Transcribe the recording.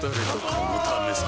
このためさ